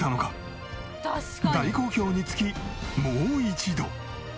大好評につきもう一度！